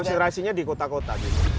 konsentrasinya di kota kota